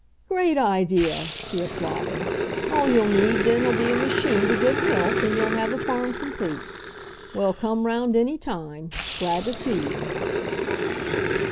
"Great idea!" he applauded. "All you'll need then'll be a machine to give milk, and you'll have the farm complete. Well, come around any time, glad to see you."